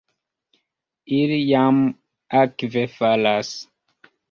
Ili jam akve falas.